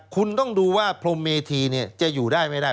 คุณต้องดูว่าพรมเมธีจะอยู่ได้ไม่ได้